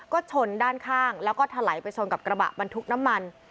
ก็ชนด้านข้างแล้วก็ถลายไปชนกับกระบะบรรทุกน้ำมัน